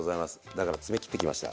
だから爪切ってきました。